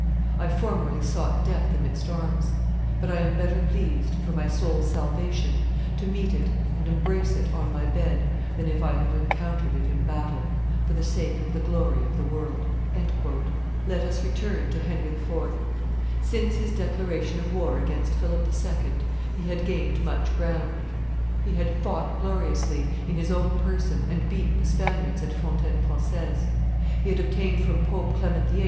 I formerly sought death amidst arms; but I am better pleased, for my soul's salvation, to meet it and embrace it on my bed than if I had encountered it in battle, for the sake of the glory of the world." Let, us return to Henry IV. Since his declaration of war against Philip II. he had gained much ground. He had fought gloriously, in his own person, and beaten the Spaniards at Fontaine Francaise. He had obtained from Pope Clement VIII.